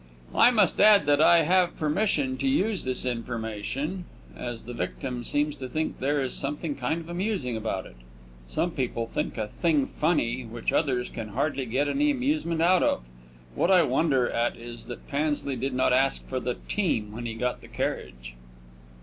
I must add that I have permission to use this information, as the victim seems to think there is something kind of amusing about it. Some people think a thing funny which others can hardly get any amusement out of. What I wonder at is that Pansley did not ask for the team when he got the carriage.